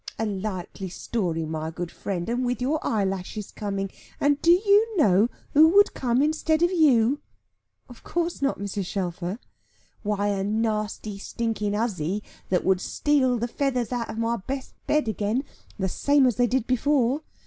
A likely story, my good friend, and with your eyelashes coming! And do you know who would come instead of you?" "Of course not, Mrs. Shelfer." "Why a nasty stinking hussy, that would steal the feathers out of my best bed again, the same as they did before.